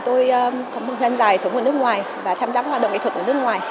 tôi có một dân dài sống ở nước ngoài và tham gia các hoạt động nghệ thuật ở nước ngoài